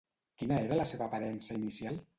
Quina era la seva aparença inicial?